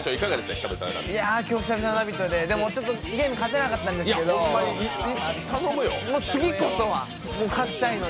今日、久々の「ラヴィット！」で今日、ちょっとゲーム勝てなかったんですけど次こそは勝ちたいので。